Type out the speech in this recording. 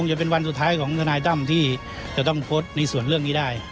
จะเป็นวันสุดท้ายของทนายตั้มที่จะต้องโพสต์ในส่วนเรื่องนี้ได้